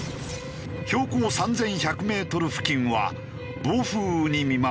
標高３１００メートル付近は暴風雨に見舞われた。